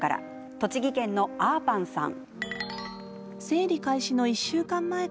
栃木県のあーぱんさん。